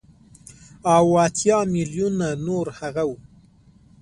او اتيا ميليونه نور هغه وو.